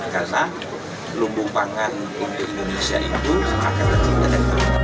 karena lumbung pangan untuk indonesia itu akan tercipta